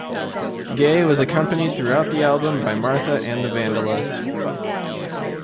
Gaye was accompanied throughout the album by Martha and the Vandellas.